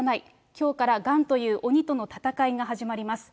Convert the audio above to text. きょうからがんという鬼との闘いが始まります。